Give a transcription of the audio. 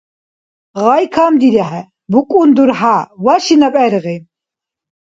Гъай камдирехӀе, букӀун дурхӀя, ваши наб гӀергъи.